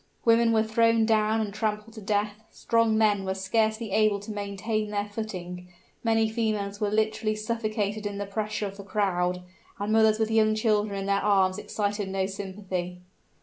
Women were thrown down and trampled to death, strong men were scarcely able to maintain their footing, many females were literally suffocated in the pressure of the crowd, and mothers with young children in their arms excited no sympathy.